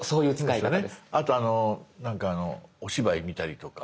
あとお芝居見たりとか。